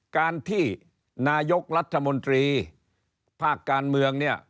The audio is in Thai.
การที่นายกรัฐมนตรีภาคการเมืองเนี่ย